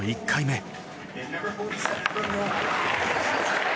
１回目。